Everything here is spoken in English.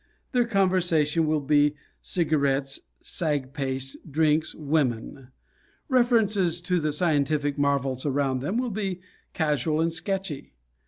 Their conversation will be cigarettes, "sag paste," drinks, women. References to the scientific marvels around them will be casual and sketchy.